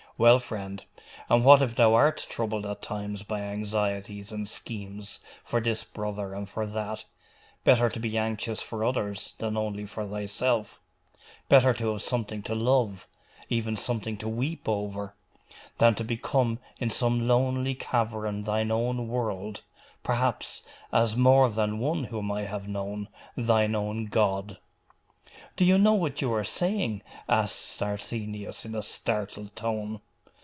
Well, friend! and what if thou art troubled at times by anxieties and schemes for this brother and for that? Better to be anxious for others than only for thyself. Better to have something to love even something to weep over than to become in some lonely cavern thine own world, perhaps, as more than one whom I have known, thine own God.' 'Do you know what you are saying?' asked Arsenius in a startled tone.